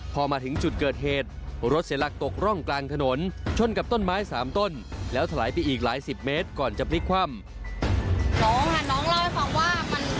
พอมาถึงจุดเกิดเหตุรถเสียหลักตกร่องกลางถนนชนกับต้นไม้๓ต้นแล้วถลายไปอีกหลายสิบเมตรก่อนจะพลิกคว่ำ